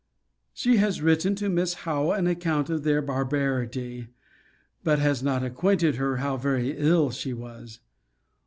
She has written to Miss Howe an account of their barbarity! but has not acquainted her how very ill she was.